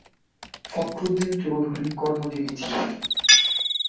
ফখরুদ্দিন চৌধুরী কর্মজীবী মানুষ ছিলেন।